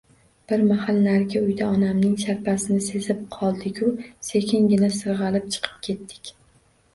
Bir mahal narigi uyda onamning sharpasini sezib qoldigu sekingina sirg‘alib chiqib ketdik.